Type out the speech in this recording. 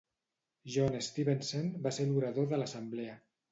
John Stevenson va ser l'orador de l'assemblea.